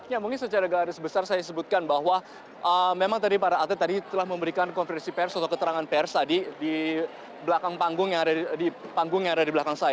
ya mungkin secara garis besar saya sebutkan bahwa memang tadi para atlet tadi telah memberikan konferensi pers atau keterangan pers tadi di belakang panggung yang ada di panggung yang ada di belakang saya